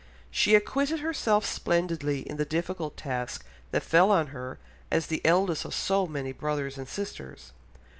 She acquitted herself splendidly in the difficult task that fell on her as the eldest of so many brothers and sisters.